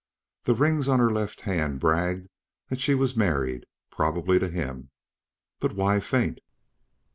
The rings on her left hand bragged that she was married, probably to him. But why faint?